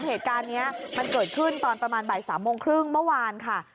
เหตุการณ์นี้มันเกิดขึ้นตอนประมาณบ่าย๓โมงครึ่งเมื่อวานค่ะ